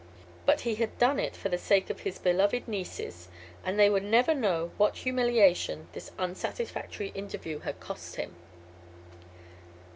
But he had done it for the sake of his beloved nieces and they would never know what humiliation this unsatisfactory interview had cost him.